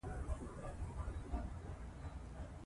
پابندي غرونه د افغانستان د کلتوري میراث یوه برخه ده.